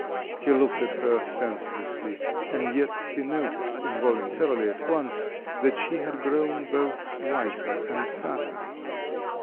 He looked at her senselessly, and yet he noticed involuntarily at once that she had grown both whiter and fatter.